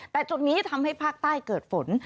แต่จุดนี้ทำให้ภาคใต้เกิดฝน